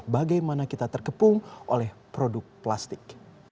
bagaimana kita terkepung oleh produk plastik